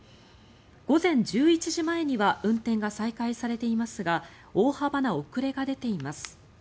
午前１１時前には運転が再開されていますが大幅な遅れが出ています。